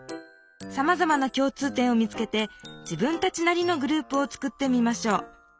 さまざまなきょう通点を見つけて自分たちなりのグループを作ってみましょう。